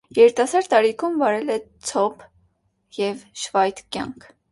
Երիտասարդ տարիքում վարել է ցոփ ու շվայտ կյանք։